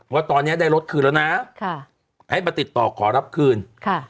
ว่าตอนนี้ได้รถคืนแล้วนะค่ะให้มาติดต่อขอรับคืนค่ะ